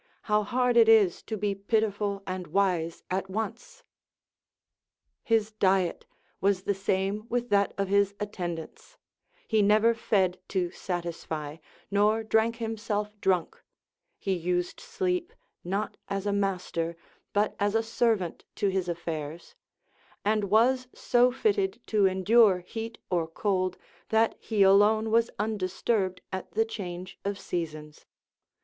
How hard it is to be pitiful and wise at once ! His diet was the same with that of his attendants ; he never fed to satisfy, nor drank himself drunk ; he used sleep not as a master, but as a servant to his affairs ; and was so fitted to endure heat or cold, that he alone was undisturbed at the change of seasons.